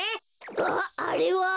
あっあれは？